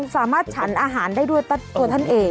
ฉันอาหารได้ด้วยตัวท่านเอง